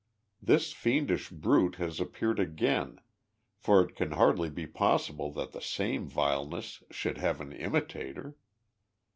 This fiendish brute lias appeared again, for it can hardly bo. possible that the same vile ness should have an imitator.